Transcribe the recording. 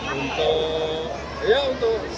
tanggung pak menteri pu untuk